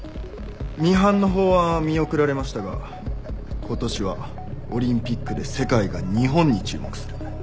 ミハンの法案は見送られましたがことしはオリンピックで世界が日本に注目する。